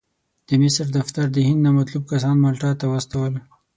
د مصر دفتر د هند نامطلوب کسان مالټا ته واستول.